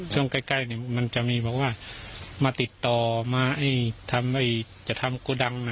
ช่วงใกล้ใกล้เนี้ยมันจะมีบอกว่ามาติดต่อมาให้ทำไว้จะทำกดังน่ะ